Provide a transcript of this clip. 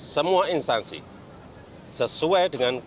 semua instansi sesuai dengan